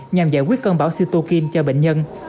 nhằm giải quyết cân bảo cytokine cho bệnh nhân